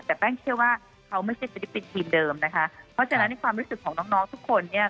แต่แป้งเชื่อว่าเขาไม่ใช่ฟิลิปปินส์ทีมเดิมนะคะเพราะฉะนั้นในความรู้สึกของน้องน้องทุกคนเนี่ย